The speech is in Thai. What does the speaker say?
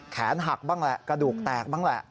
แขนหักบ้างแหละกระดูกแตกบ้างแหละ